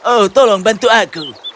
oh tolong bantu aku